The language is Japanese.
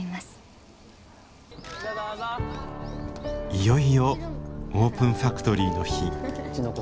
いよいよオープンファクトリーの日。